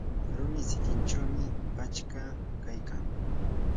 rumi sikinchawmi pachka kaykan.